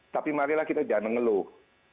tapi marilah kita jangan mengeluh